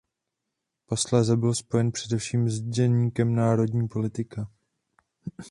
Posléze byl spojen především s deníkem Národní politika.